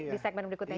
di segmen berikutnya